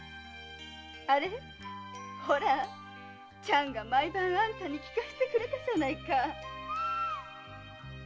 あれほらちゃんが毎晩あんたに聞かせてくれたじゃないか。